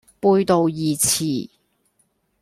背道而馳